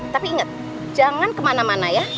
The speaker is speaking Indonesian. tapi ingat jangan kemana mana ya